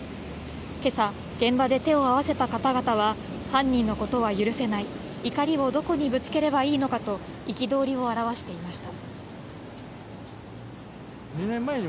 今朝、現場で手を合わせた方々は犯人のことは許せない、怒りをどこにぶつければいいのかと、憤りをあらわにしていました。